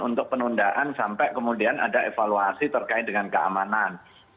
untuk penundaan sampai kemudian ada evaluasi terkait dengan keamanan